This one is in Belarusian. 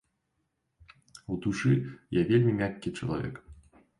У душы я вельмі мяккі чалавек.